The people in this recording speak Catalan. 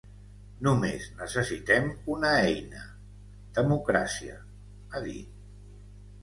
Només necessitem una eina: democràcia, ha dit.